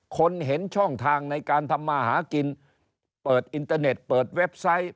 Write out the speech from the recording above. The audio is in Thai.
เห็นช่องทางในการทำมาหากินเปิดอินเตอร์เน็ตเปิดเว็บไซต์